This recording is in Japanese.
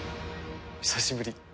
久しぶり。